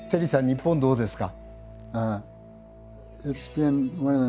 日本どうですか？